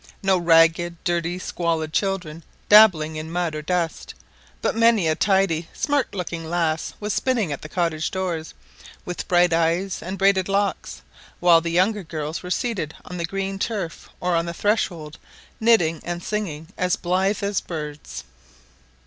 No ragged, dirty, squalid children, dabbling in mud or dust; but many a tidy, smart looking lass was spinning at the cottage doors, with bright eyes and braided locks, while the younger girls were seated on the green turf or on the threshold, knitting and singing as blithe as birds.